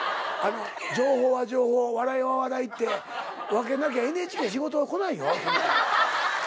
情報は情報笑いは笑いって分けなきゃＮＨＫ仕事が来ないよ。